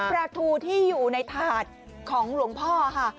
ประทูที่อยู่ในถาดของหลวงพ่อค่ะ